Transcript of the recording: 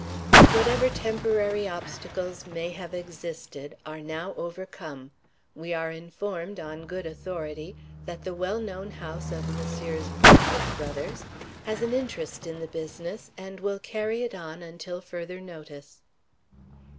Whatever temporary obstacles may have existed are now overcome. We are informed, on good authority, that the well known house of Messrs. Bulpit Brothers has an interest in the business, and will carry it on until further notice."